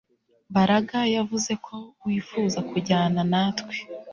Mbaraga yavuze ko wifuza kujyana natwe